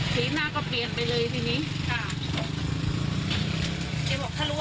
ทีน่าก็เปลี่ยนไปเลยที่นี่